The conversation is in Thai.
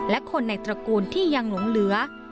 และคนในตระกูลที่ยังหลงเหลือ